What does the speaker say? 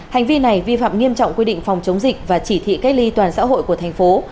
hành vi này vi phạm nghiêm trọng quy định phòng chống dịch và chỉ thị cách ly toàn xã hội của thành phố